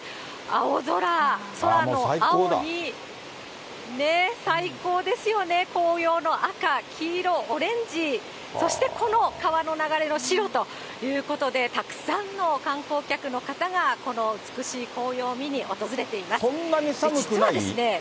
青空、空の青に、最高ですよね、紅葉の赤、黄色、オレンジ、そしてこの川の流れの白ということで、たくさんの観光客の方がこの美しい紅葉を見に訪れています。